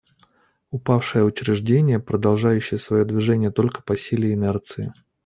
Упавшее учреждение, продолжающее свое движение только по силе инерции.